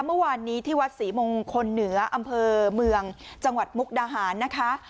เมื่อวานนี้ที่วัดศรีมงคลเหนืออำเภอเมืองจังหวัดมุกดาหารนะคะ